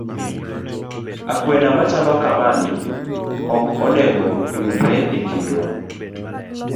Akwede machalo kamani ok onego yudre e kindwa